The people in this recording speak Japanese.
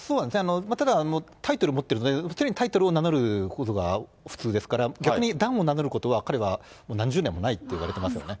ただ、タイトル持ってると、常にタイトルを名乗ることが普通ですから、逆に段を名乗ることは、彼は何十年もないっていわれてますよね。